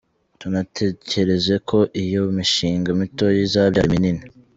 Tunatekereza ko iyo mishinga mitoya izabyara iminini.